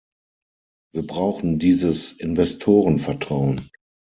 Wir brauchen dieses Investorenvertrauen.